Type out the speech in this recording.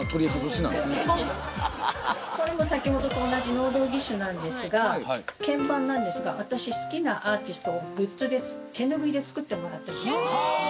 これも先ほどと同じ能動義手なんですが鍵盤なんですが私好きなアーティストをグッズで手拭いで作ってもらったりするんですね。